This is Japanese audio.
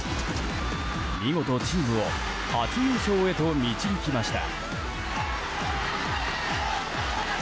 見事チームを初優勝へと導きました。